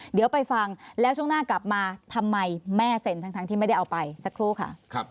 เดี๋ยวไปฟังแล้วช่วงหน้ากลับมาทำไมแม่เซ็นทั้งที่ไม่ได้เอาไปสักครู่ค่ะ